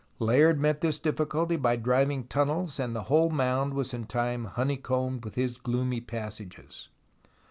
Layard met this difficulty by driving tunnels, and the whole mound was in time honeycombed with his gloomy passages.